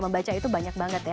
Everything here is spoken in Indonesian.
membaca itu banyak banget ya